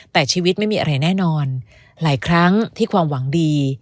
แต่ชีวิตไม่มีอะไรแน่นอนหลายครั้งที่ความหวังดี